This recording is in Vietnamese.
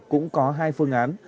cũng có hai phương án